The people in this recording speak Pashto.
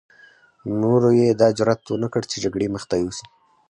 نورو يې دا جرعت ونه کړ چې جګړې مخته يوسي.